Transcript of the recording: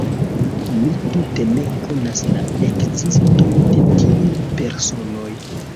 Mi tute ne konas la ekziston de tiuj personoj.